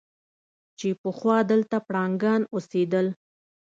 چې پخوا دلته پړانګان اوسېدل.